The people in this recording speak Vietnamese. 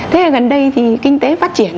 thế gần đây thì kinh tế phát triển